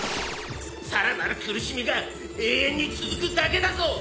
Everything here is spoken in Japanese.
さらなる苦しみが永遠に続くだけだぞ！